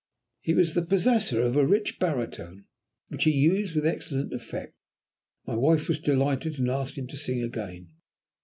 He was the possessor of a rich baritone, which he used with excellent effect. My wife was delighted, and asked him to sing again.